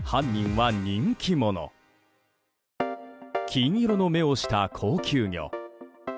金色の目をした高級魚。